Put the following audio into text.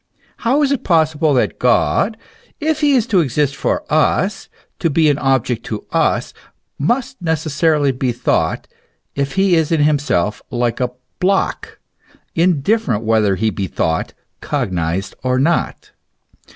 how is it possible that God if he is to exist for us, to be an object to us must necessarily be thought, if he is in himself like a block, indifferent whether he be thought, cognized or not?